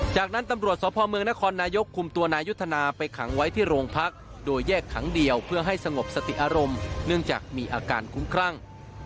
จากนั้นตำรวจสพเมืองนครนายกคุมตัวนายุทธนาไปขังไว้ที่โรงพักโดยแยกขังเดียวเพื่อให้สงบสติอารมณ์เนื่องจากมีอาการคุ้มครั่ง